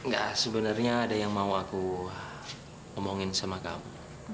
gak sebenernya ada yang mau aku ngomongin sama kamu